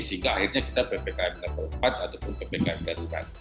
sehingga akhirnya kita ppkm level empat ataupun ppkm darurat